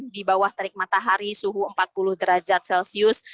di bawah terik matahari suhu empat puluh derajat celcius